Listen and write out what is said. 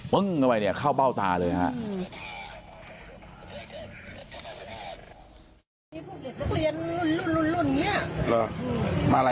ึ้งเข้าไปเนี่ยเข้าเบ้าตาเลยฮะ